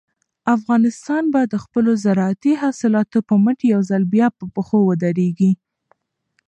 افغانستان به د خپلو زارعتي حاصلاتو په مټ یو ځل بیا په پښو ودرېږي.